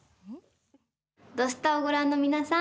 「土スタ」をご覧の皆さん